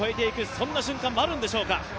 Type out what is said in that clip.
そんな瞬間もあるんでしょうか。